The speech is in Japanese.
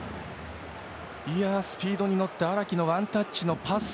スピードに乗った荒木のワンタッチのパス。